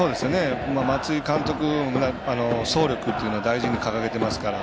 松井監督も走力っていうのを大事に掲げてますから。